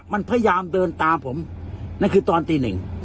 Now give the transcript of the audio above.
มันพยายามเดินตามผมนั่นคือตอนตีหนึ่ง